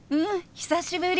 久しぶり！